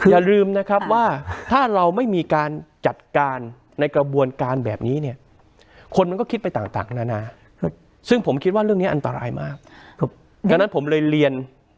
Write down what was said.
อย่าลืมนะครับว่าถ้าเราไม่มีการจัดการในกระบวนการแบบนี้เนี่ย